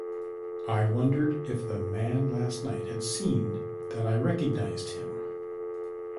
I wondered if the man last night had seen that I recognised him.